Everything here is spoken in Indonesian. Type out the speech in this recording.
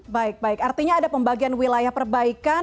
baik baik artinya ada pembagian wilayah perbaikan